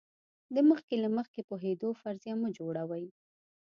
د مخکې له مخکې پوهېدو فرضیه مه جوړوئ.